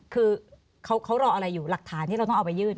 คือเขารออะไรอยู่หลักฐานที่เราต้องเอาไปยื่น